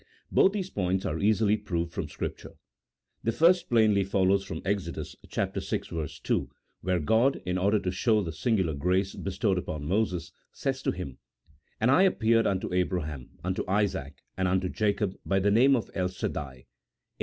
Both these points are easily proved from Scripture. The first plainly follows from Exodus vi. 2, where God, in order to show the singular grace bestowed upon Moses, says to him: "And I appeared unto Abraham, unto Isaac, and unto Jacob by the name of El Sadai (A.